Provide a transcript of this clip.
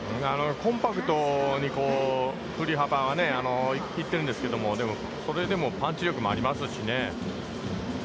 コンパクトに振り幅が行っているんですけれども、でも、それでもパンチ力もありますしね。